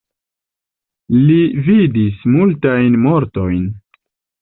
Li vidis multajn mortojn.